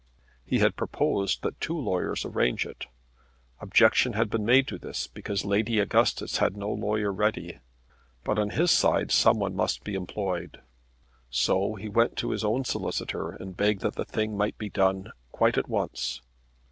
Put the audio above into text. He had proposed that two lawyers should arrange it. Objection had been made to this, because Lady Augustus had no lawyer ready; but on his side some one must be employed. So he went to his own solicitor and begged that the thing might be done quite at once.